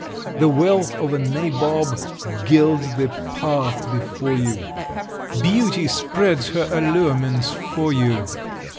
The wealth of a nabob gilds the path before you! Beauty spreads her allurements for you!